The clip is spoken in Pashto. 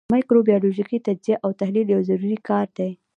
مایکروبیولوژیکي تجزیه او تحلیل یو ضروري کار دی.